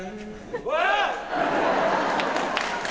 うわっ。